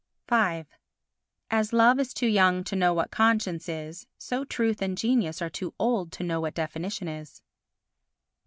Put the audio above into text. v As Love is too young to know what conscience is, so Truth and Genius are too old to know what definition is.